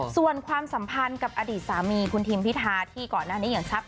ส่วนความสัมพันธ์กับอดีตสามีคุณทิมพิธาที่ก่อนหน้านี้อย่างทรัพย